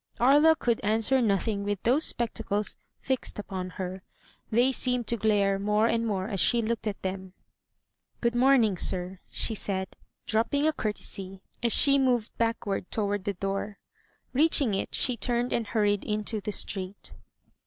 '* Aria could answer nothing with those spectacles fixed upon her. They seemed to glare more and more as she looked at them. *' Good morning, sir,'' she said, dropping a courtesy as she moved backward toward the door. Reaching it, she turned and hurried into the street.